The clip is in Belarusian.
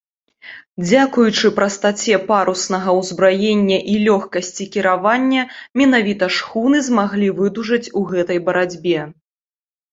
Дзякуючы прастаце паруснага ўзбраення і лёгкасці кіравання менавіта шхуны змаглі выдужаць у гэтай барацьбе.